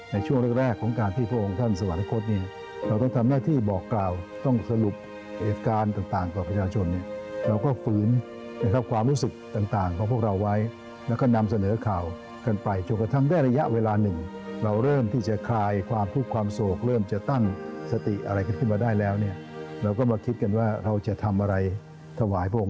ในช่วงแรกของพวกเราที่พ่อพวกคุณท่าน